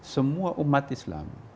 semua umat islam